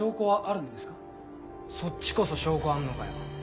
そっちこそ証拠あんのかよ。